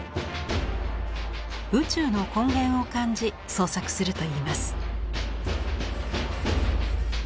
宇宙の根源を感じ創作するといいます。